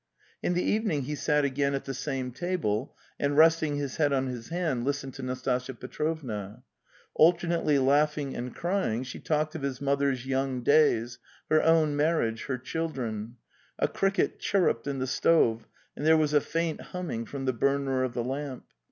In the evening he sat again at the same table and, resting his head on his hand, listened to Nastasya Petrovna. Alternately laughing and crying, she talked of his mother's young days, her own mar riage, her children. ... A cricket chirruped in the stove, and there was a faint humming from the burner of the lamp.